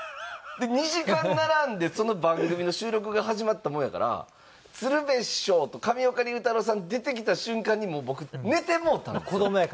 ２時間並んでその番組の収録が始まったもんやから鶴瓶師匠と上岡龍太郎さん出てきた瞬間にもう僕寝てもうたんですよ。